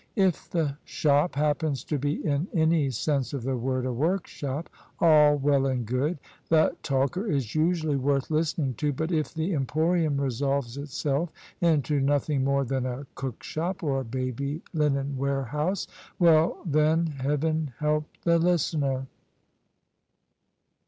If the shop happens to be in any sense of the word a work shop, all well and good : the talker is usually worth listening to: but if the emporium resolves itself into nothing more than a cook shop or a baby linen warehouse — ^well, then Heaven help the listener!